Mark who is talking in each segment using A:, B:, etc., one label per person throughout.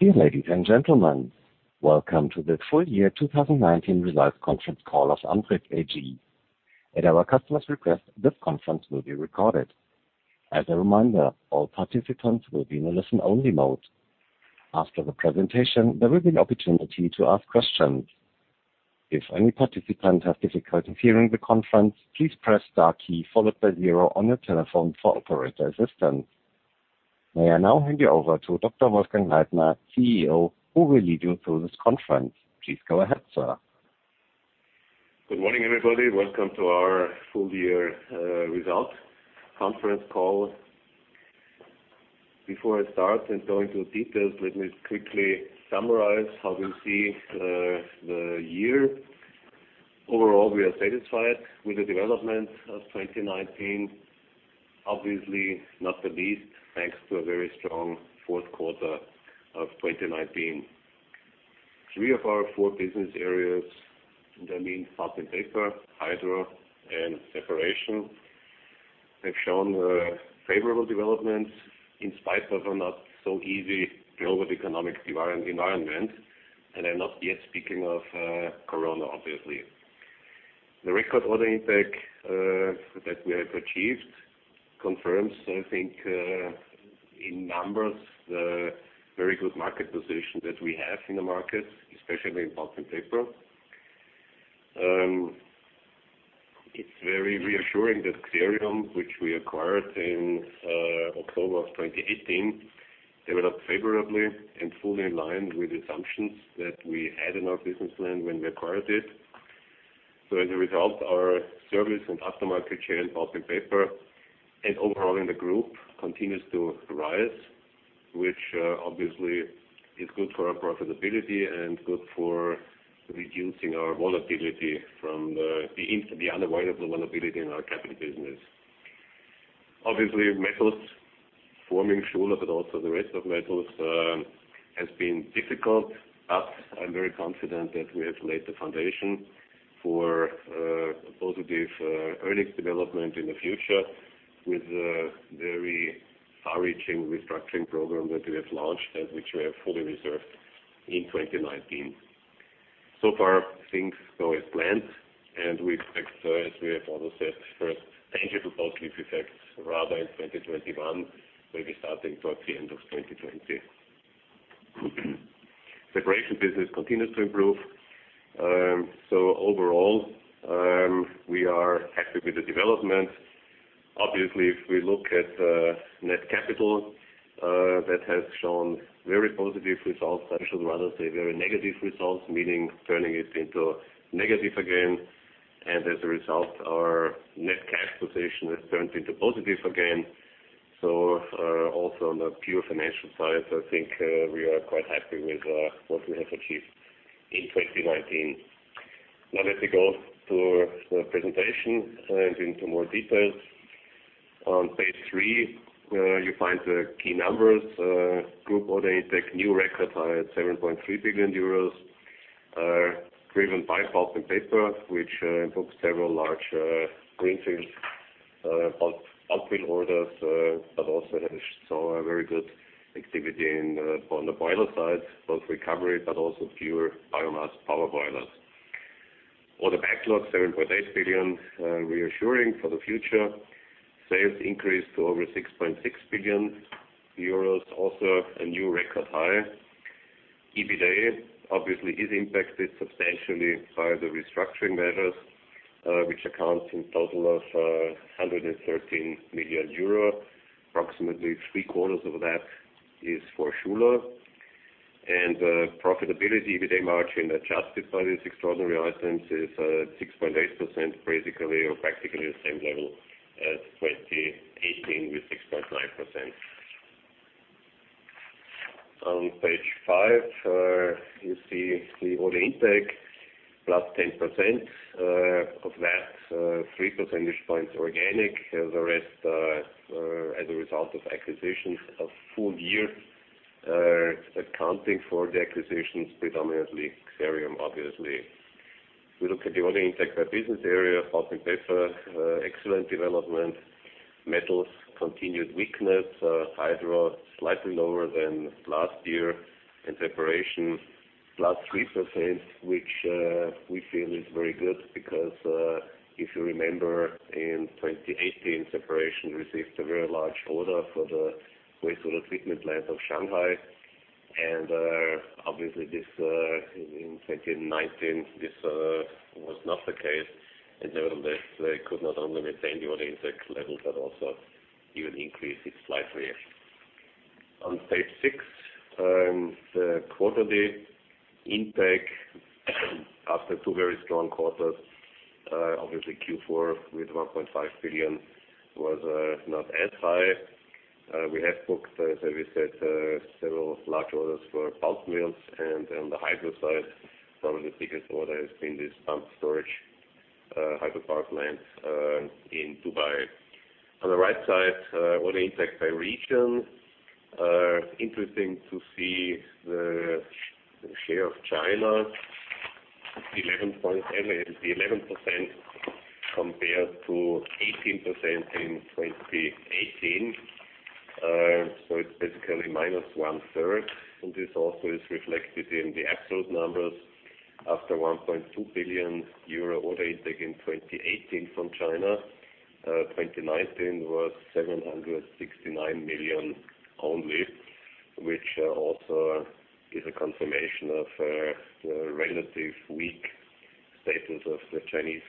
A: Dear ladies and gentlemen, welcome to the full year 2019 results conference call of Andritz AG. At our customer's request, this conference will be recorded. As a reminder, all participants will be in a listen-only mode. After the presentation, there will be an opportunity to ask questions. If any participant has difficulty hearing the conference, please press star key followed by zero on your telephone for operator assistance. May I now hand you over to Dr. Wolfgang Leitner, CEO, who will lead you through this conference. Please go ahead, sir.
B: Good morning, everybody. Welcome to our full year result conference call. Before I start and go into details, let me quickly summarize how we see the year. Overall, we are satisfied with the development of 2019, obviously not the least, thanks to a very strong fourth quarter of 2019. Three of our four business areas, and I mean Pulp & Paper, Hydro, and Separation, have shown favorable developments in spite of a not so easy global economic environment. I'm not yet speaking of Corona, obviously. The record order intake that we have achieved confirms, I think, in numbers, the very good market position that we have in the market, especially in Pulp & Paper. It's very reassuring that Xerium, which we acquired in October of 2018, developed favorably and fully in line with assumptions that we had in our business plan when we acquired it. As a result, our service and aftermarket share in Pulp & Paper and overall in the group continues to rise, which obviously is good for our profitability and good for reducing our vulnerability from the unavoidable vulnerability in our capital business. Obviously, Metals Forming Schuler but also the rest of Metals, has been difficult, but I'm very confident that we have laid the foundation for a positive earnings development in the future with the very far-reaching restructuring program that we have launched and which we have fully reserved in 2019. So far, things go as planned, and we expect, as we have also said, first tangible positive effects rather in 2021, maybe starting towards the end of 2020. Separation business continues to improve. So overall, we are happy with the development. Obviously, if we look at net capital, that has shown very positive results. I should rather say very negative results, meaning turning it into negative again. As a result, our net cash position has turned into positive again. Also on the pure financial side, I think we are quite happy with what we have achieved in 2019. Now let me go to the presentation and into more details. On page three, you find the key numbers. Group order intake, new record high at 7.3 billion euros, driven by Pulp & Paper, which booked several large greenfield pulp mill orders, but also saw a very good activity on the boiler side, both recovery, but also pure biomass power boilers. Order backlog 7.8 billion, reassuring for the future. Sales increased to over 6.6 billion euros, also a new record high. EBITDA obviously is impacted substantially by the restructuring measures, which accounts in total of 113 million euro. Approximately three-quarters of that is for Schuler. Profitability, EBITDA margin, adjusted by these extraordinary items, is 6.8%, basically or practically the same level as 2018 with 6.9%. On page five, you see the order intake plus 10%. Of that, three percentage points organic and the rest as a result of acquisitions of full year, accounting for the acquisitions, predominantly Xerium, obviously. If we look at the order intake by business area, Pulp & Paper, excellent development. Metals, continued weakness. Hydro, slightly lower than last year. Separation, plus 3%, which we feel is very good because, if you remember in 2018, Separation received a very large order for the wastewater treatment plant of Shanghai. Obviously in 2019, this was not the case, and they could not only maintain the order intake levels but also even increase it slightly. On page six, the quarterly intake after two very strong quarters. Obviously Q4 with 1.5 billion was not as high. We have booked, as I said, several large orders for pulp mills and on the Hydro side, some of the biggest order has been this pumped-storage hydropower plant in Dubai. On the right side, order intake by region. Interesting to see the share of China, 11.7% is the 11% compared to 18% in 2018. It's basically minus one third, and this also is reflected in the absolute numbers after 1.2 billion euro order intake in 2018 from China. 2019 was 769 million only, which also is a confirmation of the relative weak status of the Chinese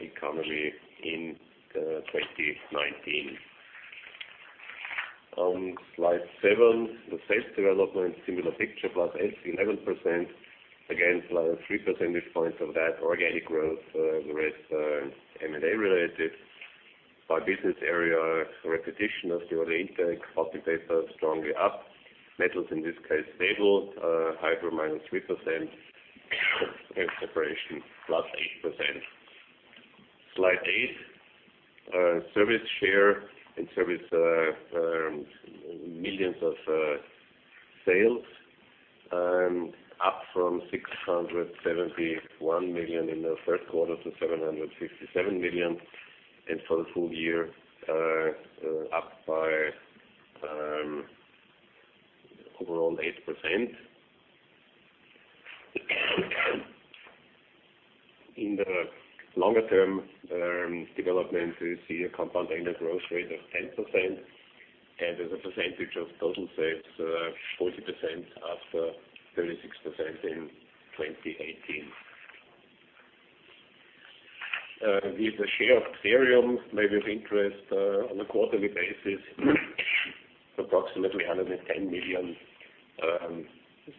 B: economy in 2019. On slide seven, the sales development, similar picture, plus 8%-11%. Again, plus three percentage points of that organic growth. The rest are M&A related. By business area, repetition of the order intake. Pulp & Paper, strongly up. Metals in this case, stable. Hydro, -3%. Separation, +8%. Slide eight. Service share in millions of sales. Up from 671 million in the first quarter to 757 million. For the full year, up by 8%. In the longer-term development, we see a compound annual growth rate of 10%, and as a percentage of total sales, 40% after 36% in 2018. With the share of Xerium, maybe of interest, on a quarterly basis, approximately EUR 110 million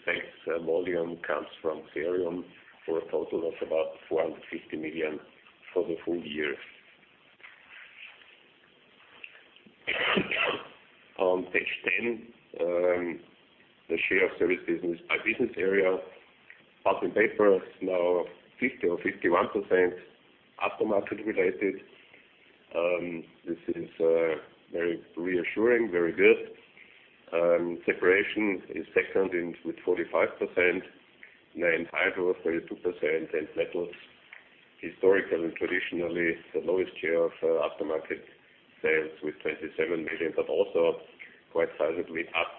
B: sales volume comes from Xerium, for a total of about 450 million for the full year. On page 10, the share of service business by business area. Pulp & Paper is now 50% or 51% aftermarket related. This is very reassuring, very good. Separation is second with 45%, then Hydro, 32%, and Metals, historical and traditionally the lowest share of aftermarket sales with 27 million, also quite sizably up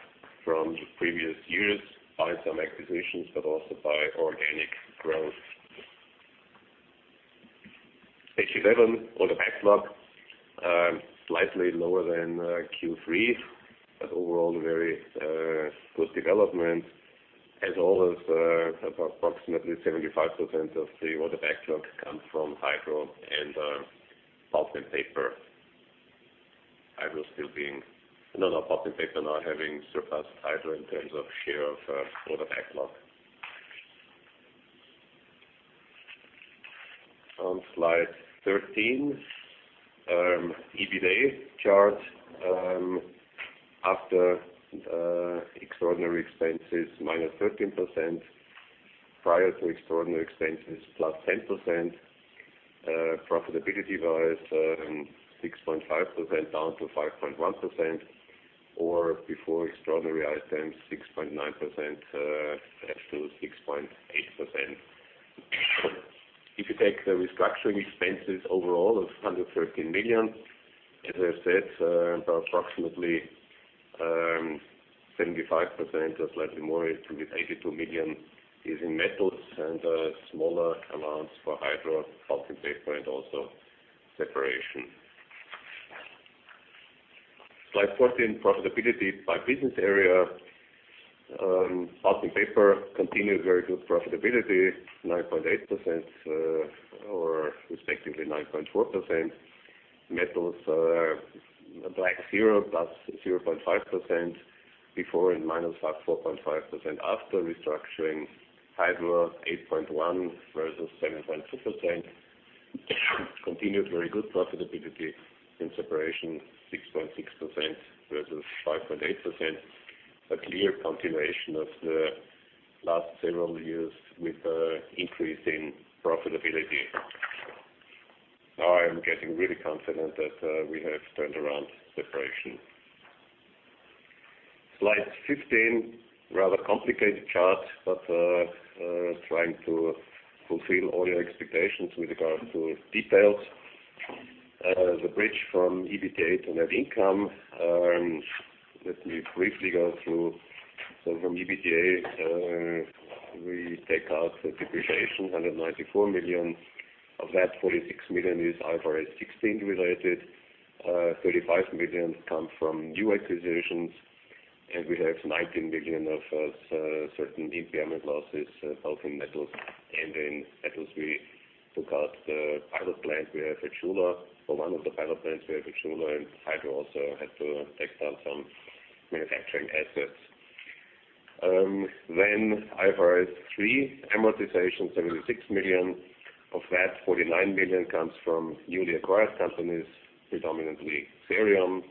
B: from the previous years by some acquisitions, but also by organic growth. Page 11, order backlog. Slightly lower than Q3, overall very good development. As always, approximately 75% of the order backlog comes from Hydro and Pulp & Paper. Pulp & Paper now having surpassed Hydro in terms of share of order backlog. On slide 13, EBITDA chart. After extraordinary expenses, minus 13%. Prior to extraordinary expenses, plus 10%. Profitability-wise, 6.5% down to 5.1%, or before extraordinary items, 6.9% to 6.8%. If you take the restructuring expenses overall of 113 million, as I said, approximately 75% or slightly more, 82 million, is in Metals and smaller amounts for Hydro, Pulp & Paper, and also Separation. Slide 14, profitability by business area. Pulp & Paper continues very good profitability, 9.8% or respectively 9.4%. Metals, black zero plus 0.5% before and minus 4.5% after restructuring. Hydro 8.1% versus 7.2%. Continued very good profitability in Separation, 6.6% versus 5.8%. A clear continuation of the last several years with an increase in profitability. Now I am getting really confident that we have turned around Separation. Slide 15, rather complicated chart, but trying to fulfill all your expectations with regards to details. The bridge from EBITDA to net income. Let me briefly go through. From EBITDA, we take out the depreciation, 194 million. Of that, 46 million is IFRS 16 related. 35 million comes from new acquisitions. We have 19 million of certain impairment losses. In Metals we took out the pilot plant we have at Schuler, for one of the pilot plants we have at Schuler, and Hydro also had to take down some manufacturing assets. IFRS 3 amortization, 76 million. Of that, 49 million comes from newly acquired companies, predominantly Xerium.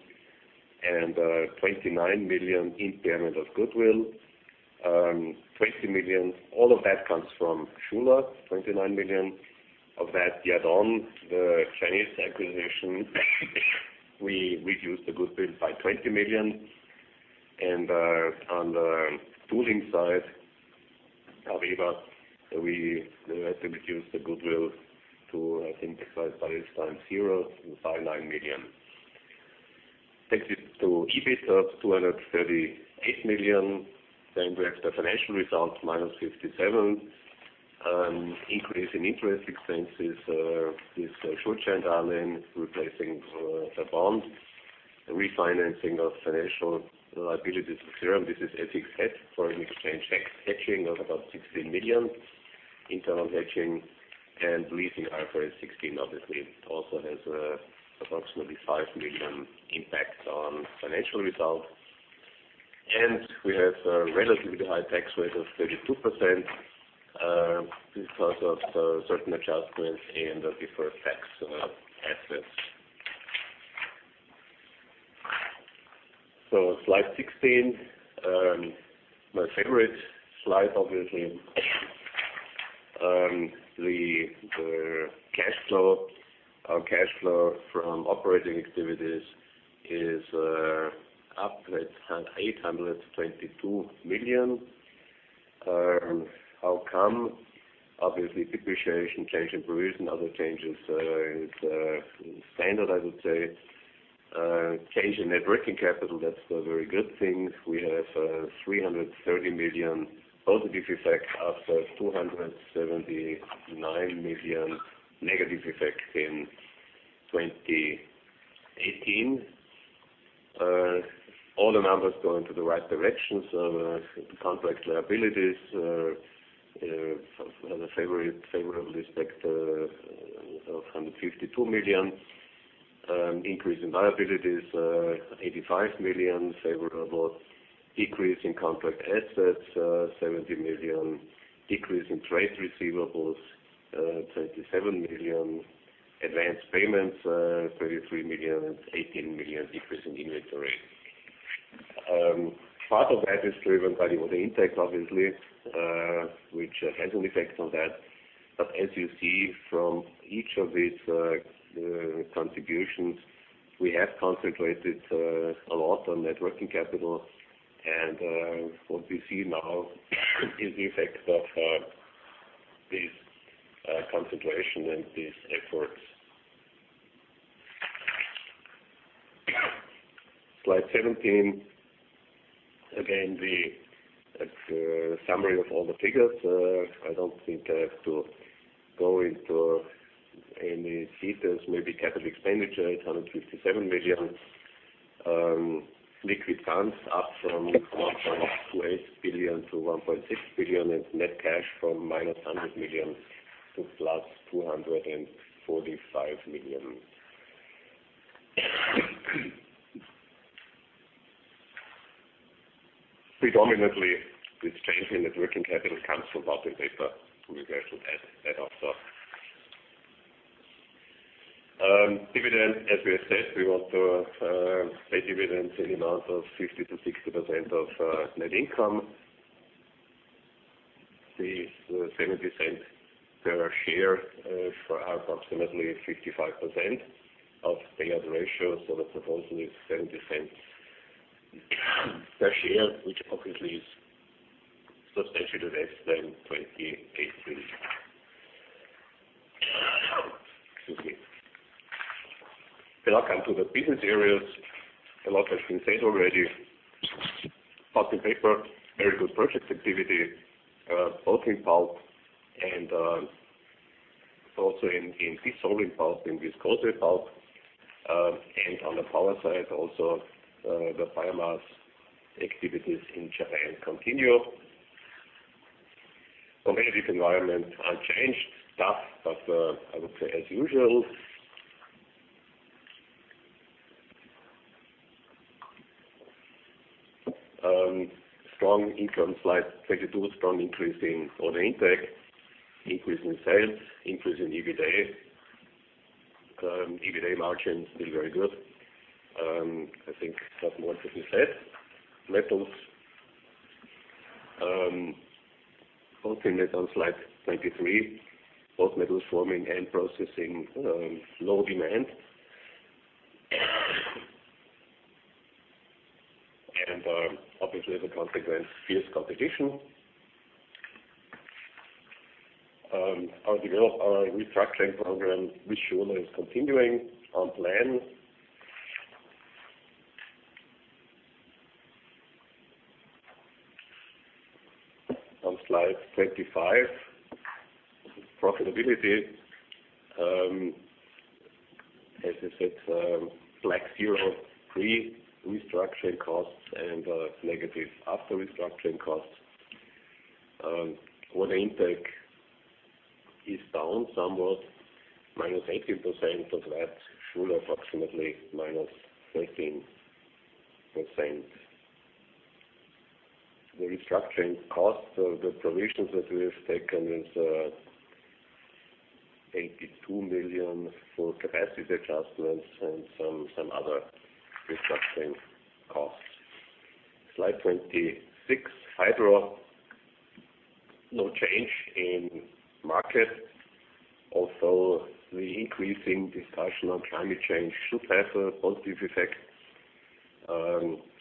B: 29 million impairment of goodwill. 20 million, all of that comes from Schuler. 29 million, of that, Yadon, the Chinese acquisition, we reduced the goodwill by 20 million. On the pooling side, AVEVA, we had to reduce the goodwill to, I think, by this time zero by EUR 9 million. Takes it to EBIT of 238 million. We have the financial result -57. Increase in interest expenses with short-term loans replacing the bond. Refinancing of financial liabilities to zero. This is FX hedge, foreign exchange hedging of about 16 million. Internal hedging and leasing IFRS 16 obviously also has approximately 5 million impact on financial results. We have a relatively high tax rate of 32% because of certain adjustments and deferred tax assets. Slide 16. My favorite slide, obviously. The cash flow from operating activities is up at 822 million. How come? Obviously, depreciation, change in provisions, other changes is standard, I would say. Change in net working capital, that's a very good thing. We have 330 million positive effect after 279 million negative effect in 2018. All the numbers go into the right direction. Contract liabilities have a favorably effect of 152 million. Increase in liabilities, 85 million favorable. Decrease in contract assets, 70 million. Decrease in trade receivables, 27 million. Advance payments, 33 million. 18 million decrease in inventory. Part of that is driven by water intake, obviously, which has an effect on that. As you see from each of these contributions, we have concentrated a lot on net working capital, and what we see now is the effect of this concentration and these efforts. Slide 17. Again, the summary of all the figures. I don't think I have to go into any details. Maybe capital expenditure, 857 million. Liquid funds up from 1.28 billion-1.6 billion and net cash from minus 100 million to plus 245 million. Predominantly, this change in net working capital comes from Pulp & Paper. We mentioned that also. Dividend, as we have said, we want to pay dividends in amount of 50% to 60% of net income. The EUR 0.70 per share for approximately 55% of payout ratio. The proposal is 0.70 per share, which obviously is substantially less than 2018. Excuse me. I come to the business areas. A lot has been said already. Pulp & Paper, very good project activity, both in pulp and also in dissolving pulp, in viscose pulp. On the power side also, the biomass activities in China continue. Competitive environment unchanged. Tough, but I would say as usual. Strong income, slide 22, strong increase in order intake. Increase in sales. Increase in EBITDA. EBITDA margin still very good. I think not more to be said. Metals. Also in Metals, slide 23. Both Metals Forming and processing, low demand. Obviously, as a consequence, fierce competition. Our restructuring program with Schuler is continuing on plan. On slide 25, profitability. As I said, black zero, pre-restructuring costs and negative after restructuring costs. Order intake is down somewhat, -18%, of that Schuler approximately -13%. The restructuring costs, the provisions that we have taken is 82 million for capacity adjustments and some other restructuring costs. Slide 26, Hydro. No change in market. The increasing discussion on climate change should have a positive effect.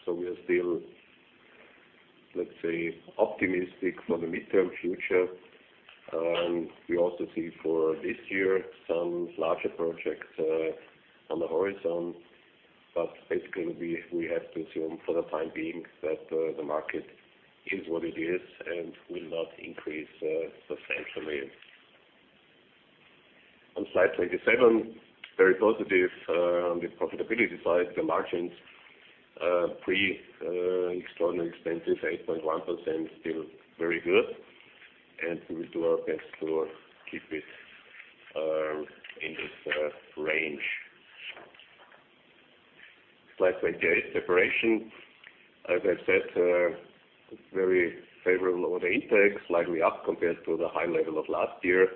B: We are still, let's say, optimistic for the midterm future. We also see for this year some larger projects on the horizon. Basically, we have to assume for the time being that the market is what it is and will not increase substantially. On slide 27, very positive on the profitability side. The margins pre extraordinary expenses, 8.1%, still very good, and we will do our best to keep it in this range. Slide 28, Separation. As I said, very favorable order intake, slightly up compared to the high level of last year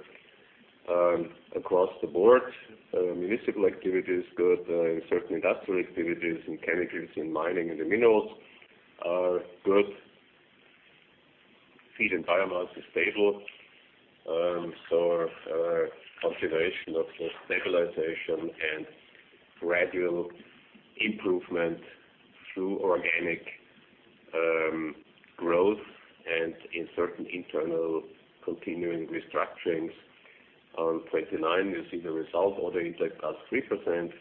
B: across the board. Municipal activity is good. In certain industrial activities, in chemicals, in mining and in minerals are good. Feed and biomass is stable. Consideration of stabilization and gradual improvement through organic growth and in certain internal continuing restructurings. On 29, you see the result. Order intake plus 3%,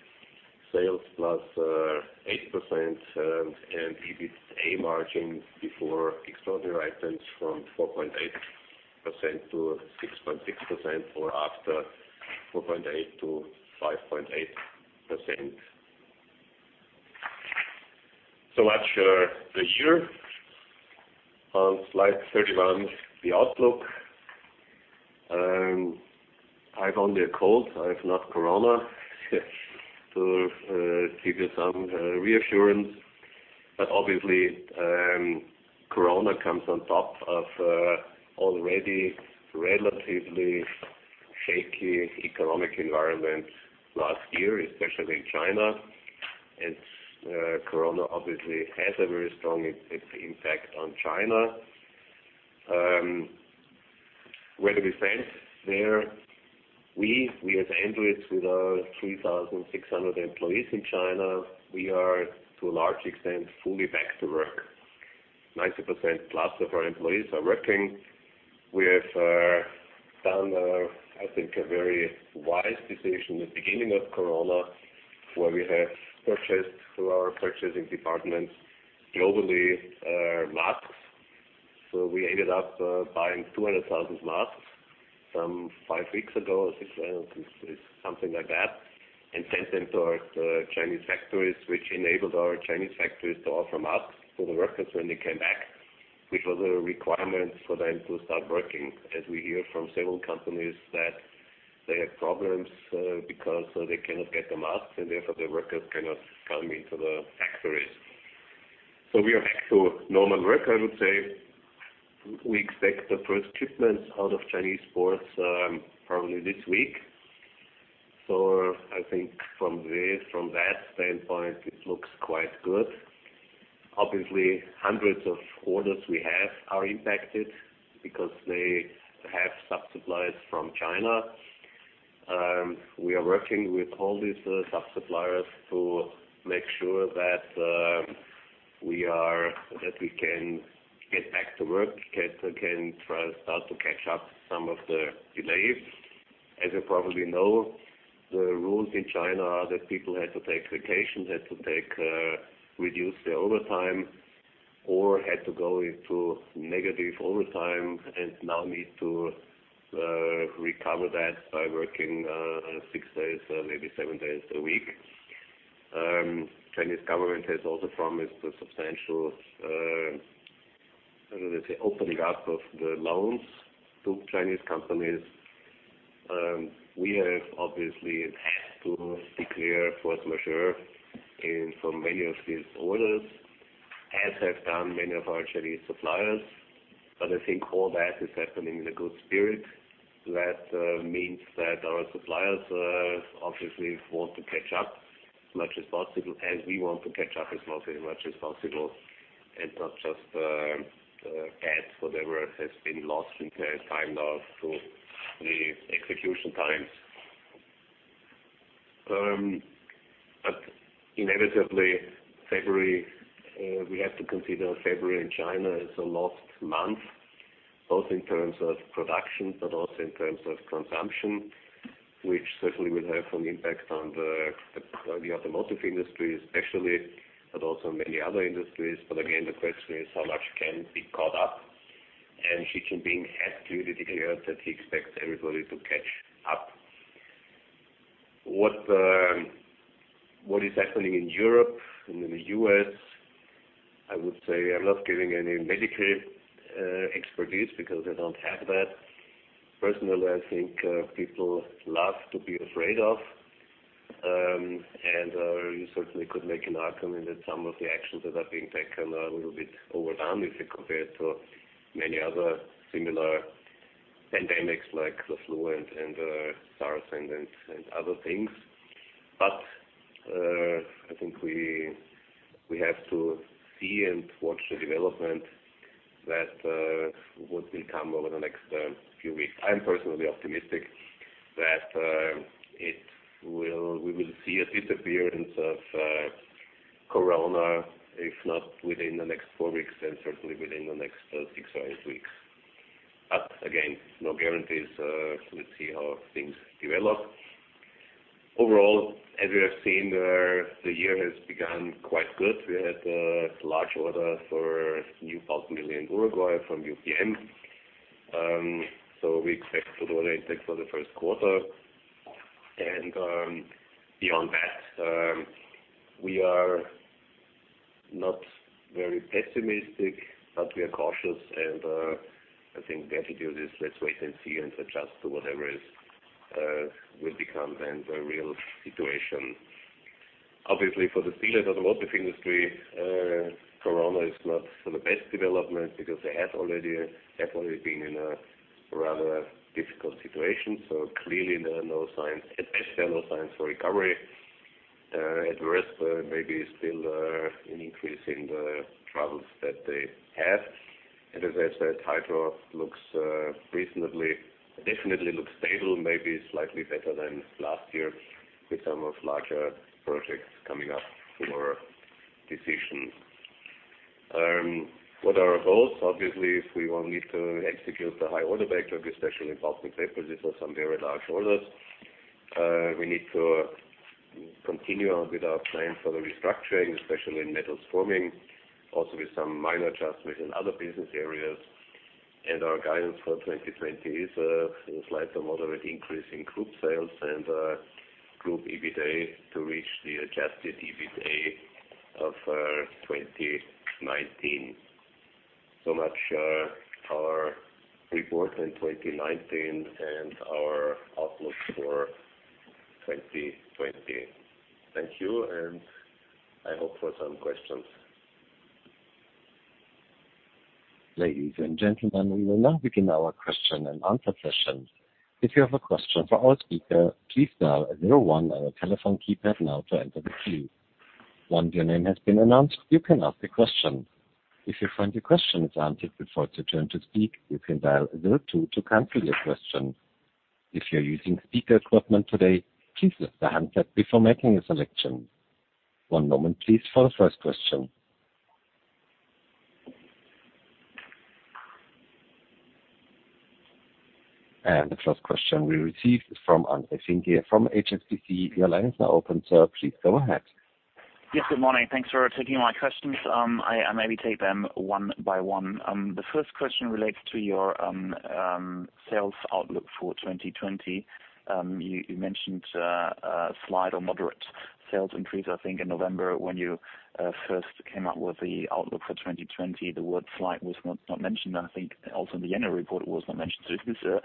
B: sales plus 8%, and EBITA margin before extraordinary items from 4.8% to 6.6%, or after 4.8%-5.8%. So much for the year. On slide 31, the outlook. I've only a cold, I've not Corona, to give you some reassurance. Obviously, Corona comes on top of already relatively shaky economic environment last year, especially in China. Corona obviously has a very strong impact on China. Where do we stand there? We as Andritz, with our 3,600 employees in China, we are to a large extent fully back to work. 90% plus of our employees are working. We have done, I think, a very wise decision the beginning of Corona, where we have purchased through our purchasing departments globally, masks. We ended up buying 200,000 masks from five weeks ago, six, something like that, and sent them to our Chinese factories, which enabled our Chinese factories to offer masks to the workers when they came back, which was a requirement for them to start working, as we hear from several companies that they have problems because they cannot get the masks and therefore their workers cannot come into the factories. We are back to normal work, I would say. We expect the first shipments out of Chinese ports probably this week. I think from that standpoint, it looks quite good. Obviously, hundreds of orders we have are impacted because they have sub-suppliers from China. We are working with all these sub-suppliers to make sure that we can get back to work, can try to start to catch up some of the delays. As you probably know, the rules in China are that people had to take vacations, had to reduce their overtime, or had to go into negative overtime and now need to recover that by working six days, maybe seven days a week. Chinese Government has also promised a substantial, how do I say, opening up of the loans to Chinese companies. We have obviously had to declare force majeure in for many of these orders, as have done many of our Chinese suppliers. I think all that is happening in a good spirit. That means that our suppliers obviously want to catch up as much as possible, and we want to catch up as much as possible, and not just add whatever has been lost in terms of time now to the execution times. Inevitably, we have to consider February in China as a lost month, both in terms of production, but also in terms of consumption, which certainly will have an impact on the automotive industry especially, but also many other industries. Again, the question is how much can be caught up, and Xi Jinping has clearly declared that he expects everybody to catch up. What is happening in Europe and in the U.S., I would say I'm not giving any medical expertise because I don't have that. Personally, I think people love to be afraid of, and you certainly could make an argument that some of the actions that are being taken are a little bit overdone if you compare it to many other similar pandemics like the flu and SARS and other things. I think we have to see and watch the development that will come over the next few weeks. I'm personally optimistic that we will see a disappearance of Corona, if not within the next four weeks, then certainly within the next six or eight weeks. Again, no guarantees. We'll see how things develop. Overall, as we have seen, the year has begun quite good. We had a large order for a new pulp mill in Uruguay from UPM. We expect good order intake for the first quarter. Beyond that, we are not very pessimistic, but we are cautious and I think the attitude is let's wait and see and adjust to whatever will become then the real situation. Obviously, for the steel and for the motive industry, Corona is not the best development because they have already been in a rather difficult situation, so clearly there are no signs, especially no signs for recovery. At worst, maybe still an increase in the troubles that they have. As I said, Hydro definitely looks stable, maybe slightly better than last year with some of larger projects coming up for decision. What are our goals? Obviously, we will need to execute the high order backlog, especially in Pulp & Paper. These are some very large orders. We need to continue on with our plan for the restructuring, especially in Metals Forming, also with some minor adjustments in other business areas. Our guidance for 2020 is a slight to moderate increase in group sales and group EBITA to reach the adjusted EBITA of 2019. Much our report in 2019 and our outlook for 2020. Thank you, and I hope for some questions.
A: Ladies and gentlemen, we will now begin our question and answer session. If you have a question for our speaker, please dial zero one on your telephone keypad now to enter the queue. Once your name has been announced, you can ask a question. If you find your question is answered before it's your turn to speak, you can dial zero two to cancel your question. If you're using speaker equipment today, please lift the handset before making a selection. One moment please for the first question. The first question we received is from Jörg-André Fregien from HSBC. Your line is now open, sir. Please go ahead.
C: Yes, good morning. Thanks for taking my questions. I maybe take them one by one. The first question relates to your sales outlook for 2020. You mentioned a slight or moderate sales increase, I think, in November when you first came out with the outlook for 2020. The word slight was not mentioned, and I think also in the annual report it was not mentioned. Is this a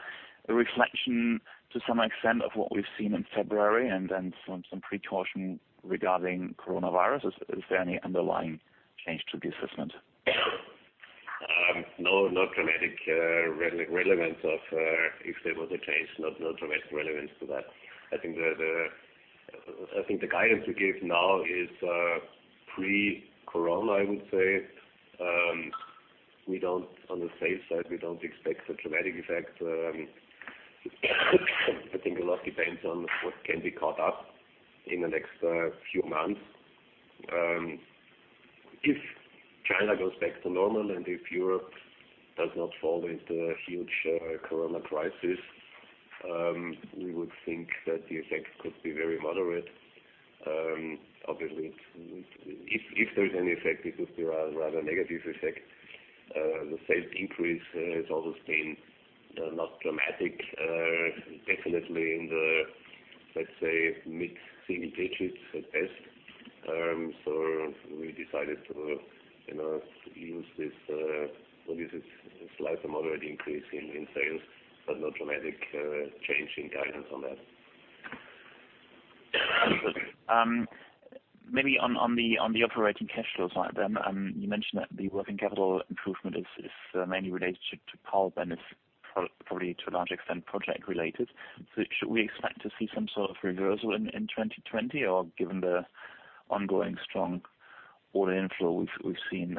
C: reflection to some extent of what we've seen in February and then some precaution regarding Corona? Is there any underlying change to the assessment?
B: No dramatic relevance if there was a change. No dramatic relevance to that. I think the guidance we give now is pre-Corona, I would say. On the sales side, we don't expect a dramatic effect. I think a lot depends on what can be caught up in the next few months. If China goes back to normal and if Europe does not fall into a huge Corona crisis, we would think that the effect could be very moderate. Obviously, if there's any effect, it would be a rather negative effect. The sales increase has always been not dramatic. Definitely in the, let's say, mid single digits at best. We decided to use this slight to moderate increase in sales, but no dramatic change in guidance on that.
C: Very good. Maybe on the operating cash flows side, then, you mentioned that the working capital improvement is mainly related to Pulp & Paper and is probably to a large extent project related. Should we expect to see some sort of reversal in 2020, or given the ongoing strong order inflow we've seen,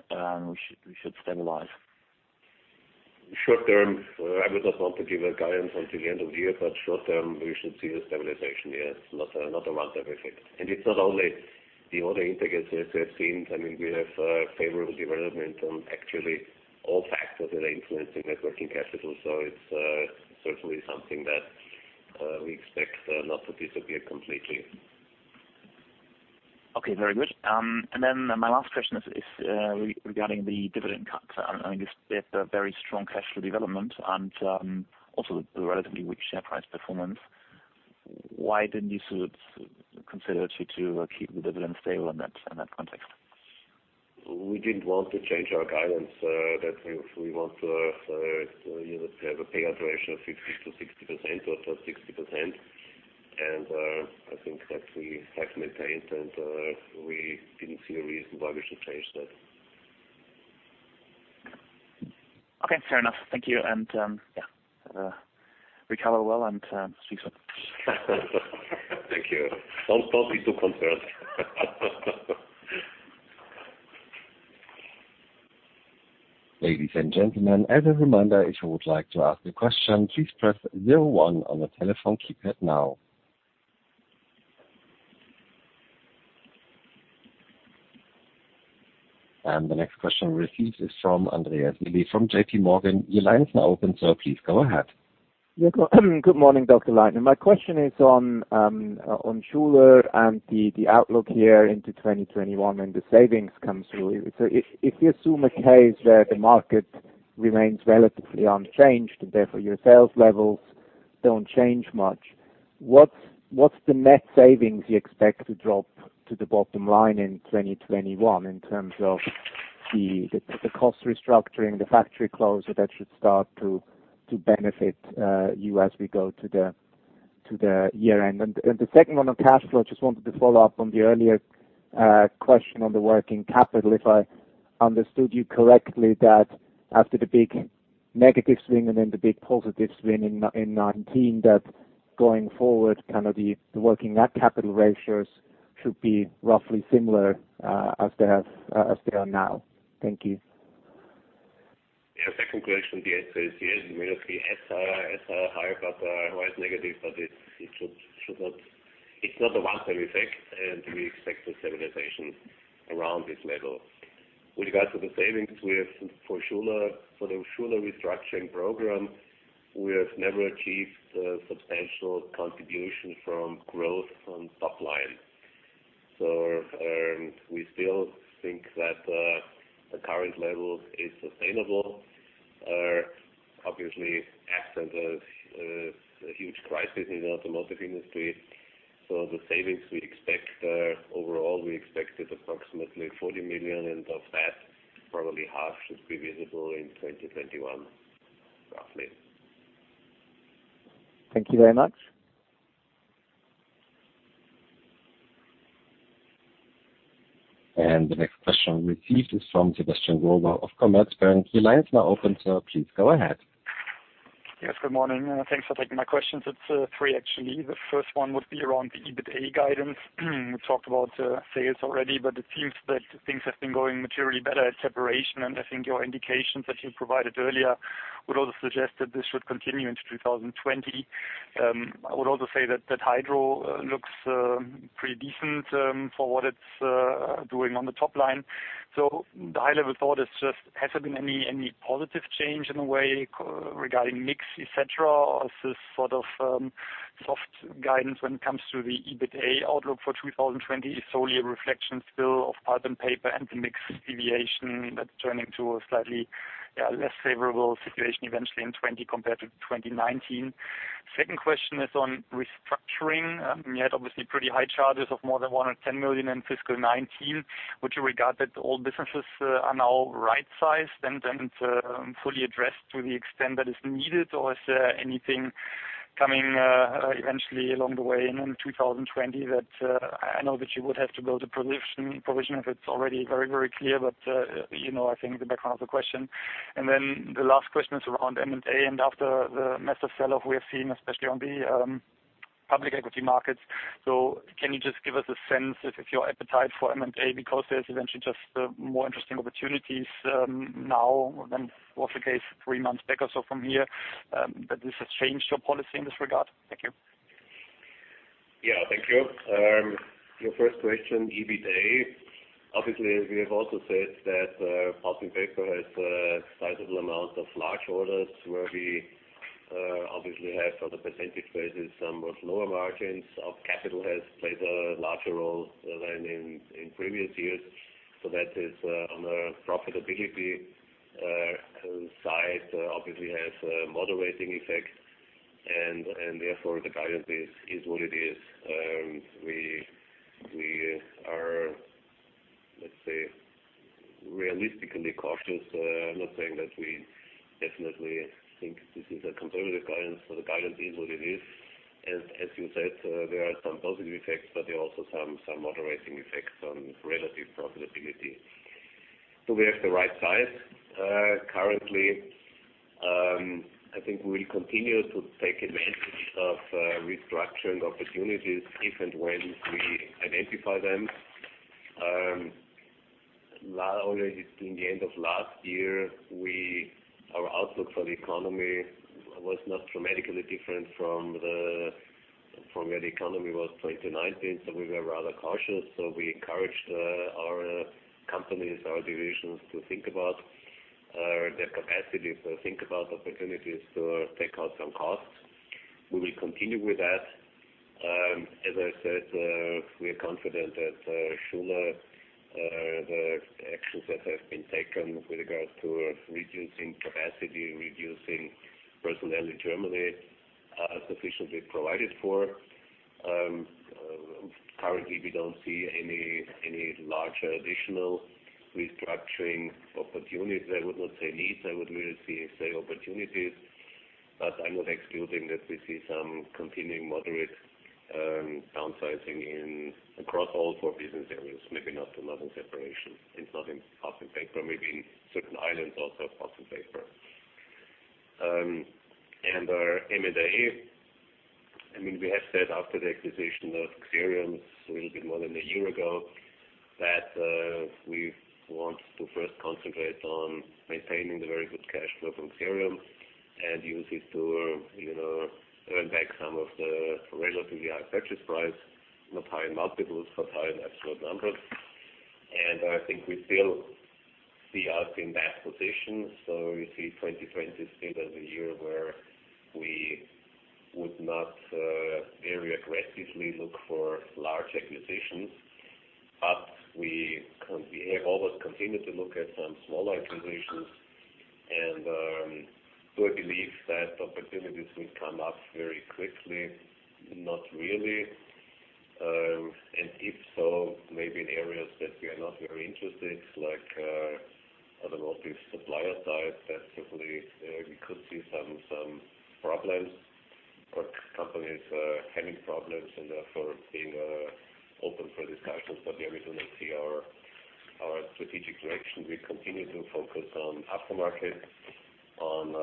C: we should stabilize?
B: Short term, I would not want to give a guidance until the end of the year, but short term, we should see a stabilization, yes. Not a massive effect. It's not only the order intake as we have seen. I mean, we have a favorable development on actually all factors that are influencing net working capital. It's certainly something that we expect not to disappear completely.
C: Okay, very good. My last question is regarding the dividend cut. I mean, you had a very strong cash flow development and also the relatively weak share price performance. Why didn't you consider to keep the dividend stable in that context?
B: We didn't want to change our guidance that we want to have a payout ratio of 50%-60%, or above 60% that we have maintained, and we didn't see a reason why we should change that.
C: Okay, fair enough. Thank you. Recover well and speak soon.
B: Thank you. Don't be too concerned.
A: Ladies and gentlemen, as a reminder, if you would like to ask a question, please press 01 on the telephone keypad now. The next question received is from Andreas Billy from JPMorgan. Your line is now open, so please go ahead.
D: Good morning, Dr. Leitner. My question is on Schuler and the outlook here into 2021 when the savings comes through. If you assume a case where the market remains relatively unchanged and therefore your sales levels don't change much, what's the net savings you expect to drop to the bottom line in 2021 in terms of the cost restructuring, the factory closure that should start to benefit you as we go to the year-end? The second one on cash flow, just wanted to follow up on the earlier question on the working capital. If I understood you correctly, that after the big negative swing and then the big positive swing in 2019, that going forward, the working net capital ratios should be roughly similar as they are now. Thank you.
B: Second question, the answer is yes. We will see SR higher, but negative, but it's not a one-time effect, and we expect a stabilization around this level. With regard to the savings for the Schuler restructuring program, we have never achieved a substantial contribution from growth from top line. We still think that the current level is sustainable, obviously absent a huge crisis in the automotive industry. The savings we expect, overall, we expected approximately 40 million, and of that, probably half should be visible in 2021, roughly.
D: Thank you very much.
A: The next question received is from Sebastian Growe of Commerzbank. Your line is now open, sir. Please go ahead.
E: Yes, good morning. Thanks for taking my questions. It's three, actually. The first one would be around the EBITA guidance. We talked about sales already, but it seems that things have been going materially better at Separation. I think your indications that you provided earlier would also suggest that this should continue into 2020. I would also say that Hydro looks pretty decent for what it's doing on the top line. The high-level thought is just, has there been any positive change in a way regarding mix, et cetera? Is this sort of soft guidance when it comes to the EBITA outlook for 2020 is solely a reflection still of Pulp & Paper and the mix deviation that's turning to a slightly less favorable situation eventually in 2020 compared to 2019. Second question is on restructuring. You had obviously pretty high charges of more than 110 million in fiscal 2019. Would you regard that all businesses are now right-sized and fully addressed to the extent that is needed? Is there anything coming eventually along the way in 2020 that I know that you would have to build a provision if it's already very clear, but I think the background of the question. The last question is around M&A after the massive sell-off we have seen, especially on the public equity markets. Can you just give us a sense if your appetite for M&A, because there's eventually just more interesting opportunities now than was the case three months back or so from here, but this has changed your policy in this regard. Thank you.
B: Yeah. Thank you. Your first question, EBITA. Obviously, we have also said that Pulp and Paper has a sizable amount of large orders where we obviously have, on a percentage basis, somewhat lower margins of capital has played a larger role than in previous years. That is on a profitability side, obviously has a moderating effect, and therefore the guidance is what it is. We are, let's say, realistically cautious. I'm not saying that we definitely think this is a conservative guidance, so the guidance is what it is. As you said, there are some positive effects, but there are also some moderating effects on relative profitability. Do we have the right size? Currently, I think we will continue to take advantage of restructuring opportunities if and when we identify them. Already in the end of last year, our outlook for the economy was not dramatically different from where the economy was 2019, so we were rather cautious. We encouraged our companies, our divisions, to think about their capacity, to think about opportunities to take out some costs. We will continue with that. As I said, we are confident that Schuler, the actions that have been taken with regards to reducing capacity, reducing personnel in Germany, are sufficiently provided for. Currently, we don't see any larger additional restructuring opportunities. I would not say needs, I would merely say opportunities. I'm not excluding that we see some continuing moderate downsizing across all four business areas, maybe not a level Separation. It's not in Pulp & Paper, maybe in certain islands also of Pulp & Paper. Our M&A, we have said after the acquisition of Xerium a little bit more than a year ago, that we want to first concentrate on maintaining the very good cash flow from Xerium and use it to earn back some of the relatively high purchase price, not high in multiples, but high in absolute numbers. I think we still see us in that position. We see 2020 still as a year where we would not very aggressively look for large acquisitions. We have always continued to look at some smaller acquisitions and do I believe that opportunities will come up very quickly? Not really. If so, maybe in areas that we are not very interested, like on the multi-supplier side, that certainly we could see some problems or companies having problems and therefore being open for discussions. We are going to see our strategic direction. We continue to focus on aftermarket, on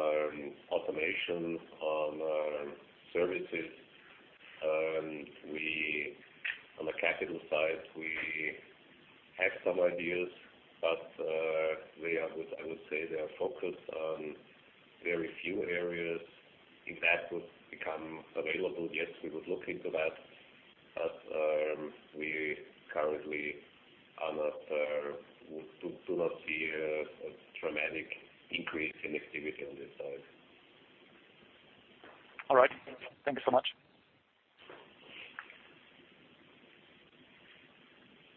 B: automation, on services. On the capital side, we have some ideas, but I would say they are focused on very few areas. If that would become available, yes, we would look into that. We currently do not see a dramatic increase in activity on this side.
E: All right. Thank you so much.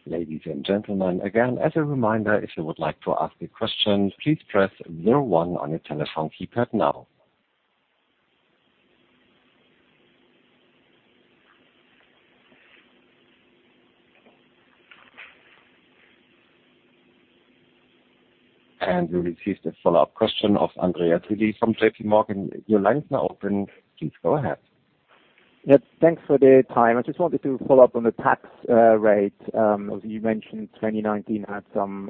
A: Ladies and gentlemen, again, as a reminder, if you would like to ask a question, please press zero one on your telephone keypad now. We receive the follow-up question of Andreas Billyfrom JPMorgan. Your line's now open, please go ahead.
D: Yep, thanks for the time. I just wanted to follow up on the tax rate. Obviously, you mentioned 2019 had some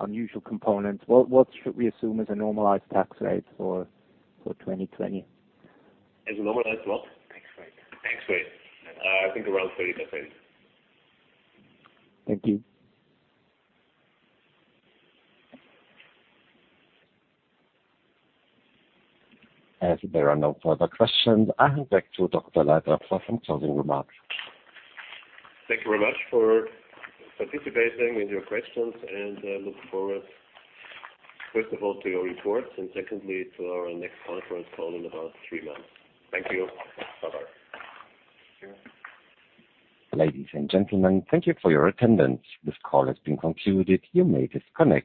D: unusual components. What should we assume is a normalized tax rate for 2020?
B: As a normalized what?
D: Tax rate.
B: Tax rate. I think around 30%.
D: Thank you.
A: As there are no further questions, I hand back to Dr. Leitner for some closing remarks.
B: Thank you very much for participating with your questions. I look forward, first of all to your reports, and secondly to our next conference call in about three months. Thank you. Bye-bye.
A: Ladies and gentlemen, thank you for your attendance. This call has been concluded. You may disconnect.